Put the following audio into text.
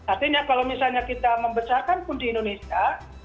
artinya kalau misalnya kita membesarkan pun di indonesia